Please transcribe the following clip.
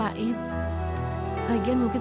dan tiba tiba dia menjadi gila